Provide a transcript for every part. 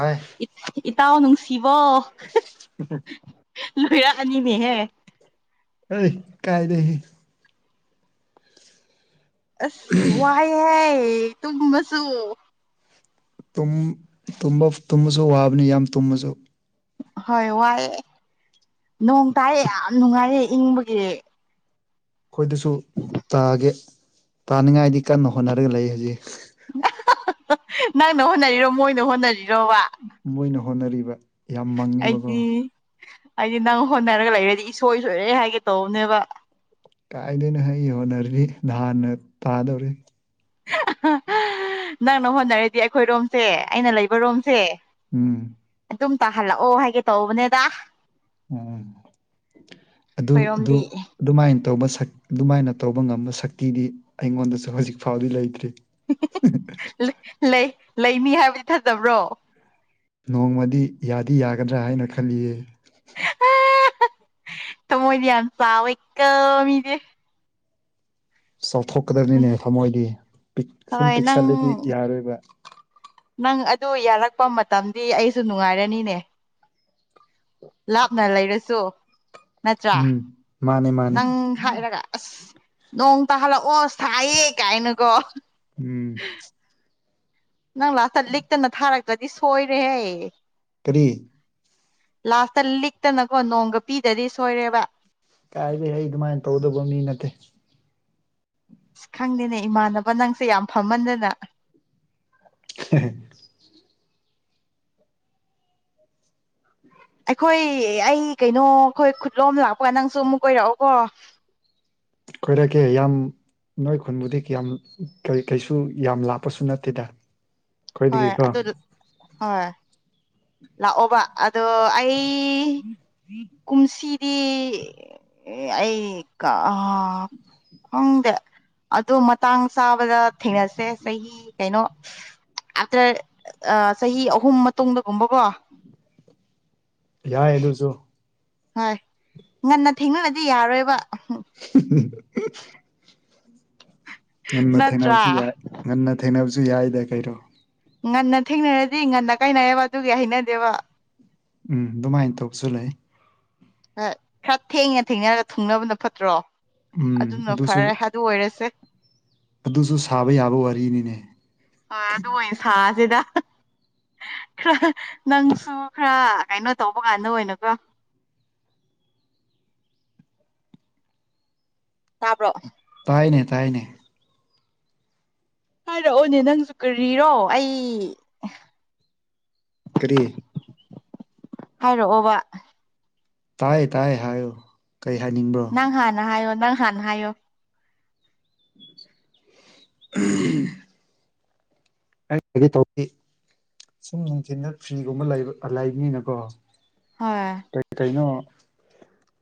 ꯍꯣꯏ ꯏꯇꯥꯎ ꯅꯨꯡꯁꯤꯕꯣ ꯂꯣꯏꯔꯛꯑꯅꯤꯅꯦꯍꯦ ꯑ ꯏꯀꯥꯏ ꯗꯦꯍꯦ ꯑꯁ ꯋꯥꯏꯍꯦ ꯇꯨꯝꯕꯁꯨ ꯇꯨꯝ ꯇꯨꯝꯕꯥꯁꯨ ꯋꯥꯕꯅꯤ ꯌꯥꯝ ꯇꯨꯝꯃꯁꯨ ꯍꯣꯏ ꯋꯥꯏꯑꯦ ꯅꯣꯡ ꯇꯥꯏꯑ ꯌꯥꯝ ꯅꯨꯡꯉꯥꯏꯔꯦ ꯏꯪꯕꯒꯤ ꯑꯩꯈꯣꯏꯗꯁꯨ ꯇꯥꯒꯦ ꯇꯥꯅꯤꯡꯉꯥꯏꯗꯤ ꯀꯟꯅ ꯍꯣꯠꯅꯔꯒ ꯂꯩ ꯍꯧꯖꯤꯛ ꯅꯪꯅ ꯍꯣꯠꯅꯔꯤꯔꯣ ꯃꯣꯏꯅ ꯍꯣꯠꯅꯔꯤꯔꯣꯕ ꯃꯣꯏꯅ ꯍꯣꯠꯅꯔꯤꯕ ꯌꯥꯝ ꯃꯪꯉꯦꯕꯀꯣ ꯑꯩꯗꯤ ꯑꯩꯗꯤ ꯅꯪ ꯍꯣꯠꯅꯔꯒ ꯂꯩꯔꯗꯤ ꯏꯁꯣꯏ ꯁꯣꯏꯔꯦ ꯍꯥꯏꯒꯦ ꯇꯧꯕꯅꯦꯕ ꯀꯥꯏꯗꯣꯏꯅꯣ ꯑꯩ ꯍꯣꯠꯅꯔꯗꯤ ꯅꯍꯥꯟꯅ ꯇꯥꯗꯧꯔꯤ ꯅꯪꯅꯪ ꯍꯣꯠꯅꯔꯗꯤ ꯑꯩꯈꯣꯏ ꯔꯣꯝꯁꯦ ꯑꯩꯅ ꯂꯩꯕ ꯔꯣꯝꯁꯦ ꯎꯝ ꯑꯗꯨꯝ ꯇꯥꯍꯜꯂꯛꯑꯣ ꯍꯥꯏꯒꯦ ꯇꯧꯕꯅꯦꯗ ꯎꯝ ꯑꯗꯨ ꯑꯗꯨ ꯑꯩꯈꯣꯏꯔꯣꯝꯗꯤ ꯑꯗꯨꯃꯥꯏꯅ ꯇꯧꯕ ꯁꯛ ꯑꯗꯨꯃꯥꯏꯅ ꯇꯧꯕ ꯉꯝꯕ ꯁꯛꯇꯤꯗꯤ ꯑꯩꯉꯣꯟꯗꯁꯨ ꯍꯧꯖꯤꯛ ꯐꯥꯎꯗꯤ ꯂꯩꯇ꯭ꯔꯤ ꯂꯩ ꯂꯩꯃꯤ ꯍꯥꯏꯕꯗꯤ ꯊꯖꯕ꯭ꯔꯣ ꯅꯣꯡꯃꯗꯤ ꯌꯥꯗꯤ ꯌꯥꯒꯗ꯭ꯔꯥ ꯍꯥꯏꯅ ꯈꯜꯂꯤꯌꯦ ꯇꯃꯣꯏꯗꯤ ꯌꯥꯝ ꯆꯥꯎꯋꯦ ꯀꯣ ꯃꯤꯁꯦ ꯆꯥꯎꯊꯣꯛꯀꯗꯕꯅꯤꯅꯦ ꯊꯃꯣꯏꯗꯤ ꯁꯨꯝ ꯍꯣꯏ ꯅꯪ ꯄꯤꯛꯁꯜꯂꯗꯤ ꯌꯥꯔꯣꯏꯕ ꯅꯪ ꯑꯗꯨ ꯌꯥꯔꯛꯄ ꯃꯇꯝꯗꯤ ꯑꯩꯁꯨ ꯅꯨꯡꯉꯥꯏꯔꯅꯤꯅꯦ ꯂꯥꯞꯅ ꯂꯩꯔꯁꯨ ꯅꯠꯇ꯭ꯔꯥ ꯎꯝ ꯃꯥꯅꯦ ꯃꯥꯅꯦ ꯅꯪ ꯍꯥꯏꯔꯒ ꯑꯁ ꯅꯣꯡ ꯇꯥꯍꯜꯂꯛꯑꯣ ꯁꯥꯏꯌꯦ ꯀꯥꯏꯅꯀꯣ ꯎꯝ ꯅꯪ ꯂꯥꯛꯇ ꯂꯤꯛꯇꯅ ꯊꯥꯔꯛꯄꯗꯤ ꯁꯣꯏꯔꯦꯍꯦ ꯀ꯭ꯔꯤ ꯂꯥꯁꯇ ꯂꯤꯛꯇꯅꯀꯣ ꯅꯣꯡꯒ ꯄꯤꯗꯗꯤ ꯁꯣꯏꯔꯦꯕ ꯀꯥꯏꯕꯩ ꯑꯩ ꯑꯗꯨꯃꯥꯏꯅ ꯇꯧꯗꯕ ꯃꯤ ꯅꯠꯇꯦ ꯑꯁ ꯈꯪꯗꯦꯅꯦ ꯏꯃꯥꯟꯅꯕ ꯅꯪꯁꯦ ꯌꯥꯝ ꯐꯝꯃꯟꯗꯅ [unintelligible] ꯑꯩꯈꯣꯏ ꯑꯩ ꯀꯩꯅꯣ ꯑꯩꯈꯣꯏ ꯈꯨꯠꯂꯣꯝ ꯂꯥꯛꯄꯒ ꯅꯪꯁꯨ ꯑꯃꯨꯛ ꯀꯣꯏꯔꯛꯑꯣꯀꯣ ꯈꯣꯏꯔꯛꯀꯦ ꯌꯥꯝ ꯅꯣꯏ ꯈꯨꯟꯕꯨꯗꯤ ꯀꯌꯥꯝ ꯀꯩ ꯀꯩꯁꯨ ꯌꯥꯝ ꯂꯥꯞꯄꯁꯨ ꯅꯠꯇꯦꯗ ꯍꯣꯏ ꯑꯩꯈꯣꯏꯗꯒꯤꯀꯣ ꯑꯗꯨꯣ ꯍꯣꯏ ꯂꯥꯛꯑꯣꯕ ꯑꯗꯣ ꯑꯩ [unintelligible] ꯀꯨꯝꯁꯤꯗꯤ ꯑꯩ ꯀꯥꯍꯥ ꯈꯪꯗꯦ ꯑꯗꯣ ꯃꯇꯥꯡ ꯆꯥꯕꯗ ꯊꯦꯡꯅꯁꯦ ꯆꯍꯤ ꯀꯩꯅꯣ ꯑꯥꯇꯔ ꯑꯥ ꯆꯍꯤ ꯑꯍꯨꯝ ꯃꯇꯨꯡꯗꯒꯨꯝꯕꯀꯣ ꯌꯥꯏ ꯑꯗꯨꯁꯨ ꯍꯣꯏ ꯉꯥꯟꯅ ꯊꯦꯡꯉꯛꯑꯥꯗꯤ ꯌꯥꯔꯣꯏꯕ [unintelligible] ꯉꯥꯟꯅ ꯅꯠꯇ꯭ꯔꯥ ꯊꯦꯡꯅꯕꯁꯨ ꯌꯥꯏ ꯉꯥꯟꯅ ꯊꯦꯡꯅꯕꯁꯨ ꯌꯥꯏꯗ ꯀꯩꯅꯣ ꯉꯥꯟꯅ ꯊꯦꯡꯅꯔꯗꯤ ꯉꯥꯟꯅ ꯀꯥꯏꯅꯩꯑꯦꯕ ꯑꯗꯨꯒꯤ ꯍꯥꯩꯅꯥꯗꯦꯕꯥ ꯎꯝ ꯗꯨꯃꯥꯏꯅ ꯇꯧꯁꯨ ꯂꯩ ꯍꯣꯏ ꯈꯔ ꯊꯦꯡꯉꯥ ꯊꯦꯡꯅꯔꯒꯥ ꯊꯨꯡꯅꯕꯥꯅ ꯐꯠꯇ꯭ꯔꯣ ꯎꯝ ꯑꯗꯨꯅ ꯑꯗꯨꯁꯨ ꯐꯔꯦ ꯑꯗꯨ ꯑꯣꯏꯔꯁꯦ ꯑꯗꯨꯁꯨ ꯁꯥꯕ ꯌꯥꯕ ꯋꯥꯔꯤꯅꯤꯅꯦ ꯍꯣꯏ ꯑꯗꯨꯑꯣꯏꯅ ꯁꯥꯁꯤꯗ [unintelligible] ꯈꯥ ꯅꯪꯁꯨ ꯈꯔꯥ ꯀꯩꯅꯣ ꯇꯧꯕꯀꯥꯟꯗ ꯑꯣꯏꯅꯥꯀꯣ ꯇꯥꯕ꯭ꯔꯣ ꯇꯥꯏꯅꯦ ꯇꯥꯏꯅꯦ ꯍꯥꯏꯔꯛꯑꯣꯅꯦ ꯅꯪꯁꯨ ꯀꯔꯤꯔꯣ ꯑꯩ ꯀꯔꯤ ꯍꯥꯏꯔꯛꯑꯣꯕ ꯇꯥꯏꯌꯦ ꯇꯥꯏꯌꯦ ꯍꯥꯏꯌꯣ ꯀꯩ ꯍꯥꯏꯅꯤꯡꯕ꯭ꯔꯣ ꯅꯪ ꯍꯥꯟꯅ ꯍꯥꯏꯌꯣ ꯅꯪ ꯍꯥꯟꯅ ꯍꯥꯏꯌꯣ [unintelligible] [unintelligible] ꯁꯨꯝ ꯅꯨꯡꯊꯤꯜꯗ ꯐ꯭ꯔꯤꯒꯨꯝꯕ ꯂꯩꯕ ꯂꯩꯕꯅꯤꯅꯀꯣ ꯍꯣꯏ ꯀꯩ ꯀꯩꯅꯣ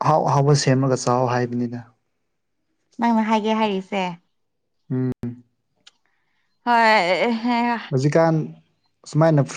ꯑꯍꯥꯎ ꯑꯍꯥꯎꯕ ꯁꯦꯝꯃꯒ ꯆꯥꯎ ꯍꯥꯏꯕꯅꯤꯗ ꯅꯪꯅ ꯍꯥꯏꯒꯦ ꯍꯥꯏꯔꯤꯁꯦ ꯎꯝ ꯍꯣꯏ ꯍꯧꯖꯤꯛꯀꯥꯟ ꯁꯨꯃꯥꯏꯅ ꯐ꯭ꯔꯤ